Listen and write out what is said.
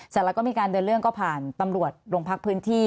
เสร็จแล้วก็มีการเดินเรื่องก็ผ่านตำรวจโรงพักพื้นที่